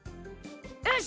よし！